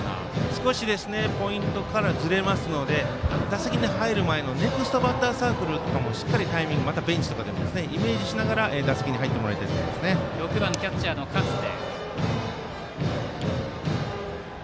少しポイントからずれますので打席に入る前の、ネクストバッターズサークルとかもあるいはベンチでもしっかりタイミングをイメージして打席に入ってもらいたいとバッターは６番、キャッチャーの勝部。